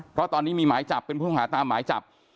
เพราะตอนนี้มีหมายจับเป็นผู้ต้องหาตามหมายจับ